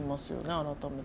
改めて。